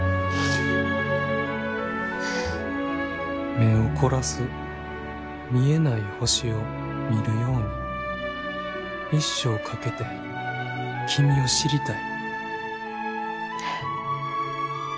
「目を凝らす見えない星を見るように一生かけて君を知りたい」。